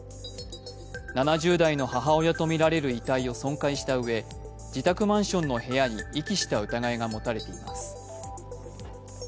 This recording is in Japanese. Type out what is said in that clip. ７０代の母親とみられる遺体を損壊したうえ自宅マンションの部屋に遺棄した疑いが持たれています。